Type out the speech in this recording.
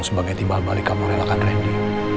sebagai timbal balik kamu relakan randy